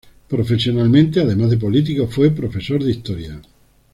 Profesionalmente, además de político, fue profesor de Historia.